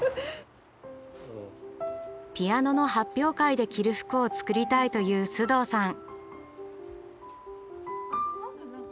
ピアノの発表会で着る服を作りたいという須藤さん。